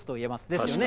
ですよね？